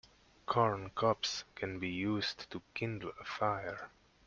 Corn cobs can be used to kindle a fire.